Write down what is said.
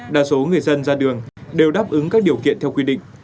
đa số người dân ra đường đều đáp ứng các điều kiện theo quy định